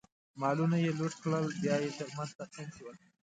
مالونه یې لوټ کړل، بیا یې ترمنځ تقسیم شول.